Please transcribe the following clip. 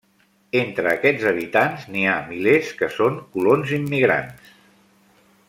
Entre aquests habitants, n'hi ha milers que són colons immigrants.